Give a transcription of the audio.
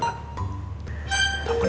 jadi selama ini